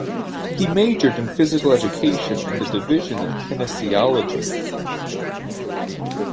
He majored in physical education in the division of kinesiology.